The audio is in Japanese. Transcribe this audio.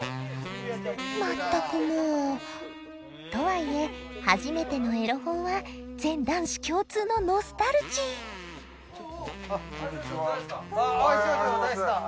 まったくもうとはいえ「初めてのエロ本」は全男子共通のノスタルジーこんにちは。